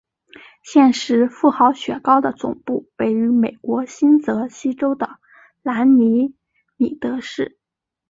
现时富豪雪糕的总部位于美国新泽西州的兰尼米德市。